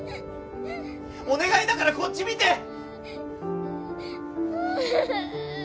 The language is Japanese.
お願いだからこっち見て！